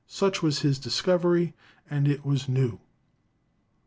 ,.. Such was his discovery, and it was new.